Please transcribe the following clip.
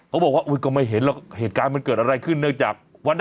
บอกว่าอุ๊ยก็ไม่เห็นหรอกเหตุการณ์มันเกิดอะไรขึ้นเนื่องจากวันนั้น